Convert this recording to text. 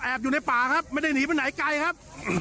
อยู่ในป่าครับไม่ได้หนีไปไหนไกลครับ